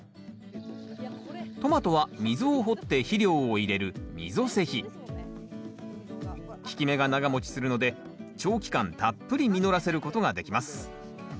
トマトは溝を掘って肥料を入れる効き目が長もちするので長期間たっぷり実らせることができます